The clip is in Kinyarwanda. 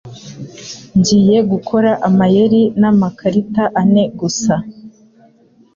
Ngiye gukora amayeri namakarita ane gusa.